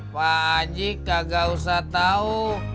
pak haji kagak usah tau